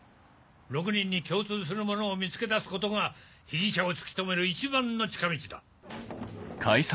６人に共通するものを見つけ出すことが被疑者を突き止める一番の近道だ。